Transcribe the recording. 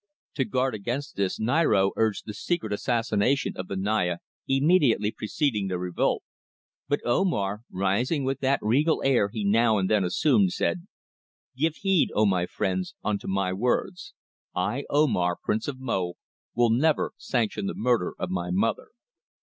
To guard against this, Niaro urged the secret assassination of the Naya immediately preceding the revolt, but Omar, rising with that regal air he now and then assumed, said: "Give heed, O my friends, unto my words. I, Omar, Prince of Mo, will never sanction the murder of my mother.